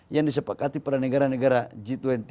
yang disepakati pada negara negara g dua puluh